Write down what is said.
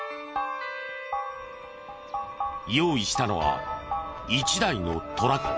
用意したのは１台のトラック。